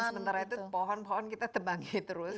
dan sementara itu pohon pohon kita tebangi terus